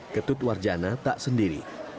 ketut warjana tak sendiri